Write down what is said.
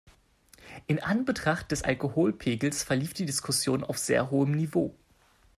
In Anbetracht des Alkoholpegels verlief die Diskussion auf sehr hohem Niveau.